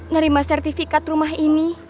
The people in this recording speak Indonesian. nerima sertifikat rumah ini